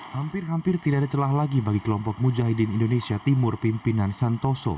hampir hampir tidak ada celah lagi bagi kelompok mujahidin indonesia timur pimpinan santoso